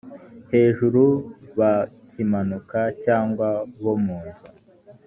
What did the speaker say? hejuru ba kaminuza cyangwa bo munzu